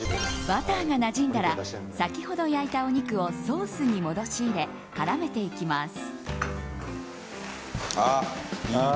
バターがなじんだら先ほど焼いたお肉をソースに戻し入れ絡めていきます。